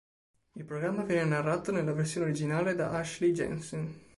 Il programma viene narrato nella versione originale da Ashley Jensen.